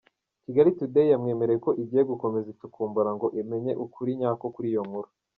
Kigali Today yamwemereye ko igiye gukomeza icukumbura ngo imenye ukuri nyako kuri iyo nkuru.